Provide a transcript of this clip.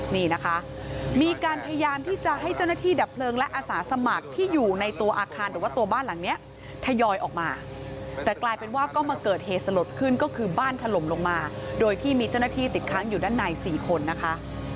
นี่นะคะมีการพยายามที่จะให้เจ้าหน้าที่ดับเพลิงและอาสาสมัครที่อยู่ในตัวอาคารหรือว่าตัวบ้านหลังเนี้ยทยอยออกมาแต่กลายเป็นว่าก็มาเกิดเหตุสลดขึ้นก็คือบ้านถล่มลงมาโดยที่มีเจ้าหน้าที่ติดค้างอยู่ด้านใน๔คนนะคะ